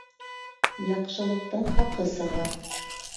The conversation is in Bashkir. Яҡшылыҡтың хаҡы сыға.